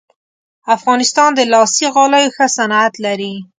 افغانستان د لاسي غالیو ښه صنعت لري